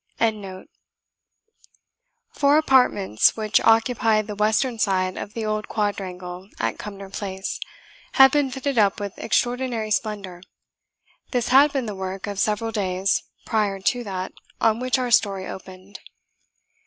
] Four apartments; which, occupied the western side of the old quadrangle at Cumnor Place, had been fitted up with extraordinary splendour. This had been the work of several days prior to that on which our story opened.